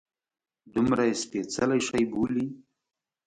دومره یې سپیڅلی شي بولي.